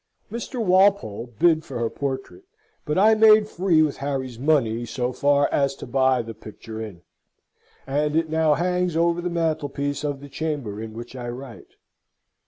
Mr. Walpole bid for her portrait, but I made free with Harry's money so far as to buy the picture in: and it now hangs over the mantelpiece of the chamber in which I write.